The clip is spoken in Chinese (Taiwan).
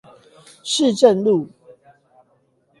市政路